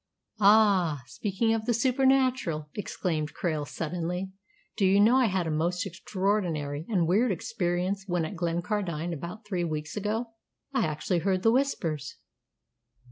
"Ah! speaking of the supernatural," exclaimed Krail suddenly, "do you know I had a most extraordinary and weird experience when at Glencardine about three weeks ago. I actually heard the Whispers!"